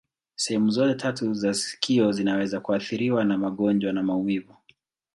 Sehemu zote tatu za sikio zinaweza kuathiriwa na magonjwa na maumivu.